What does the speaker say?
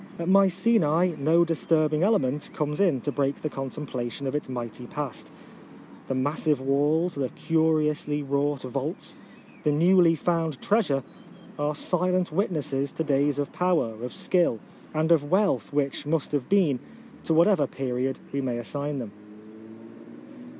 At Mycenae no disturbing element comes in to break the contemplation of its mighty past. The massive walls, the curiously wrought vaults, the newly found treasure, are silent witnesses to days of power, of skill, and of wealth which must have been, to whatever period we may 1878.] A Ride across the Peloponnese. 507 assign them.